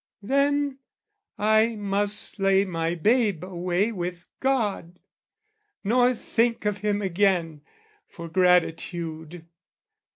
Then, I must lay my babe away with God, Nor think of him again, for gratitude.